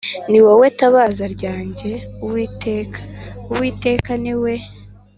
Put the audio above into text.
Ni wowe tabaza ryanjye Uwiteka Uwiteka ni we